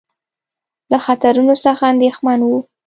له خطرونو څخه اندېښمن وو.